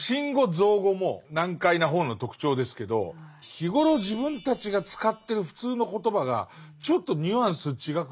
造語も難解な本の特徴ですけど日頃自分たちが使ってる普通の言葉がちょっとニュアンス違く使われてるのも難解になりますね。